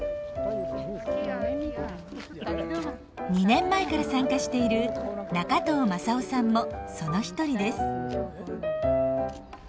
２年前から参加している仲藤正雄さんもその一人です。